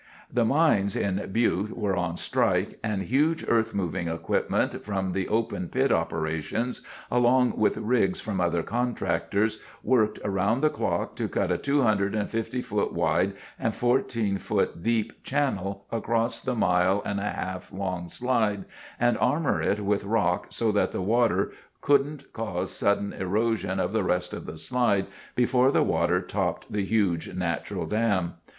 ] The mines in Butte were on strike, and huge earth moving equipment from the open pit operations, along with rigs from other contractors, worked around the clock to cut a 250 foot wide and 14 foot deep channel across the mile and a half long slide and armor it with rock so the water couldn't cause sudden erosion of the rest of the slide before the water topped the huge natural dam.